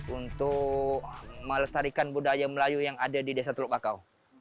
untuk melestarikan budaya melayu yang ada di desa teluk kakao